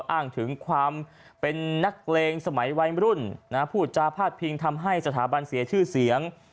อ้างถึงความเป็นนักเลงสมัยวัยมรุ่นพูดจาพาดพิงทำให้สถาบันเสียชื่อเสียง